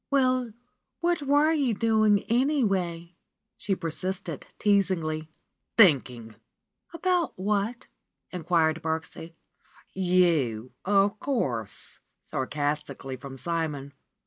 ^^Well, what were you doing, anyway?" she persisted, teasingly. ''Thinking !" abruptly. "About what ?" inquired Birksie. "You, of course !" sarcastically from Simon.